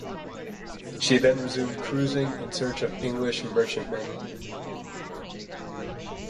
She then resumed cruising in search of English merchantmen.